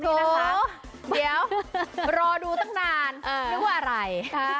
โอ้เดี๋ยวรอดูตั้งนานนึกว่าอะไร